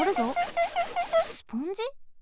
スポンジ？